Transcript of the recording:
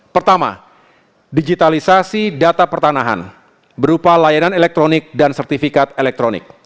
pertama digitalisasi data pertanahan berupa layanan elektronik dan sertifikat elektronik